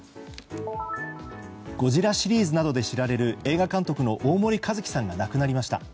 「ゴジラ」シリーズなどで知られる映画監督の大森一樹さんが亡くなりました。